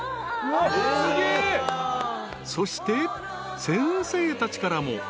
［そして先生たちからも］